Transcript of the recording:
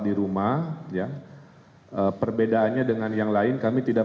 di rumah ya perbedaannya dengan yang lain kami tidak